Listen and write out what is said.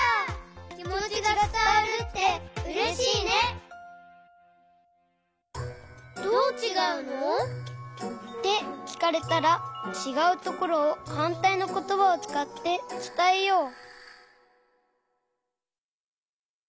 きもちがつたわるってうれしいね！ってきかれたらちがうところをはんたいのことばをつかってつたえよう！